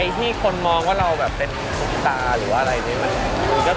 ไอที่คนมองว่าเราแบบเป็นตัวสมีตรา